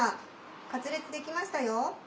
カツレツ出来ましたよ。